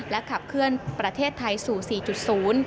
และขับเคือนประเทศไทยสู่๔๐